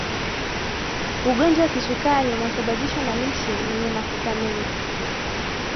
ugonjwa wa kisukari unasababishwa na lishe yenye mafuta mengi